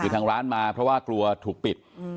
คือทางร้านมาเพราะว่ากลัวถูกปิด